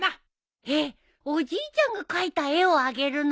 えっおじいちゃんが描いた絵をあげるの？